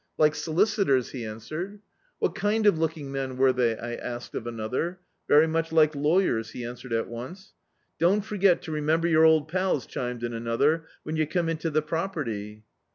"like solicitors," he answered. "What kind of looking men were they?" I asked of another. "Very much like lawyers," he answered at once. "Don't forget to remember yer old pals," chimed in another, "when yer come into the property."